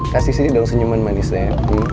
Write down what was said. kasih sedikit dong senyuman manisnya